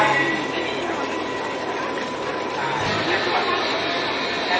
สวัสดีครับทุกคน